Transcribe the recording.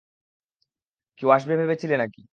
কেউ আসবে ভেবেছিলে নাকি?